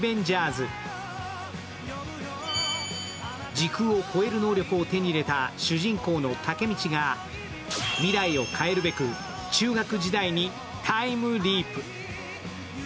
時空を超える能力を手に入れた主人公の武道が未来を変えるべく中学時代にタイムリープ。